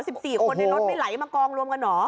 ๑๔คนในรถไม่ไหลมากองรวมกันเหรอ